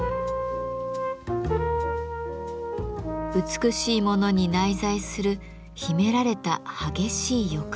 美しいものに内在する秘められた激しい欲望。